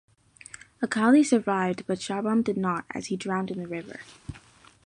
Akaili survived but Shabram did not as he drowned in the river.